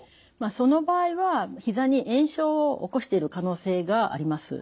その場合はひざに炎症を起こしている可能性があります。